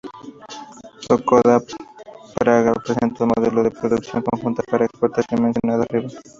Škoda Praga presentó el modelo de producción conjunta para exportación mencionado arriba.